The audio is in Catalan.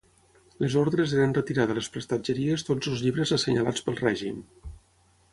Les ordres eren retirar de les prestatgeries tots els llibres assenyalats pel règim.